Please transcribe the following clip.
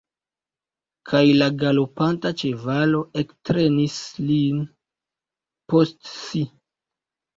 Kaj la galopanta ĉevalo ektrenis lin post si.